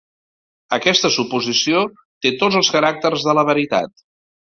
Aquesta suposició té tots els caràcters de la veritat.